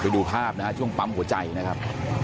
ไปดูภาพนะฮะช่วงปั๊มหัวใจนะครับ